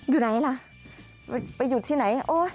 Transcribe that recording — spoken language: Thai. อยู่ไหนล่ะไปหยุดที่ไหน